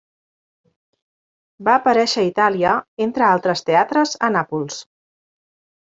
Va aparèixer a Itàlia, entre altres teatres a Nàpols.